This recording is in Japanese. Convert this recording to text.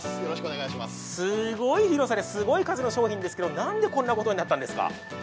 すごい広さですごい数の商品ですけど、何でこんなことになったんですか？